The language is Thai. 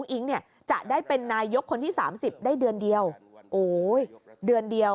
อิ๊งเนี่ยจะได้เป็นนายกคนที่สามสิบได้เดือนเดียวโอ้ยเดือนเดียว